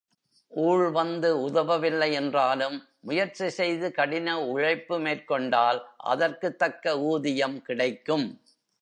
ஊழ் வந்து உதவவில்லை என்றாலும் முயற்சி செய்து கடின உழைப்பு மேற்கொண்டால் அதற்குத் தக்க ஊதியம் கிடைக்கும்.